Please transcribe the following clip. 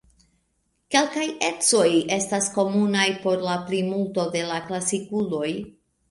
Kelkaj ecoj estas komunaj por la plimulto de la klasikuloj.